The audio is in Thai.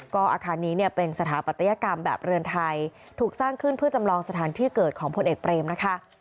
ก็อาคารนี้เนี่ยเป็นสถาปัตยกรรมแบบเรือนไทยถูกสร้างขึ้นเพื่อจำลองสถานที่เกิดของพลเอกเปรมนะคะ